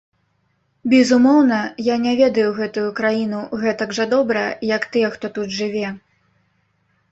Безумоўна, я не ведаю гэтую краіну гэтак жа добра, як тыя, хто тут жыве.